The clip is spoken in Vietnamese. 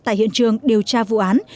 tại hiện trường điều tra vụ án